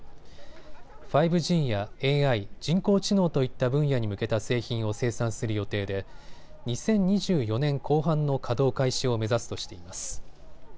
５ＧやＡＩ・人工知能といった分野に向けた製品を生産する予定で２０２４年後半の稼働開始を目指すとしています。